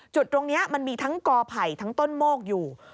จุดตรงนี้มันมีทั้งกอไผ่ทั้งต้นโมกอยู่